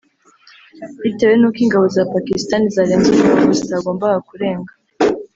Bitewe n’uko ingabo za Pakistan zarenze umurongo zitagombaga kurenga